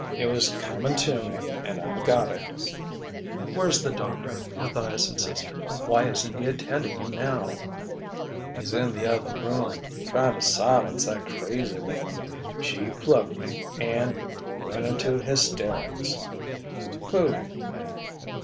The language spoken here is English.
It was coming to me and I got it." "Where's the doctor?" Matthias insisted. "Why isn't he attending you now?" "He's in the other room ... trying to silence that crazy woman.... She plugged me and ... went into hysterics...." "Who?"